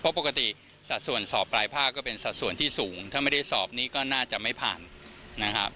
เพราะปกติสัดส่วนสอบปลายภาคก็เป็นสัดส่วนที่สูงถ้าไม่ได้สอบนี้ก็น่าจะไม่ผ่านนะครับ